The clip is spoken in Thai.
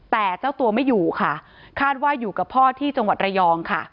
แต่เจ้าตัวไม่อยู่ค่ะคาดว่าอยู่กับพ่อที่จังหวัดระยองค่ะ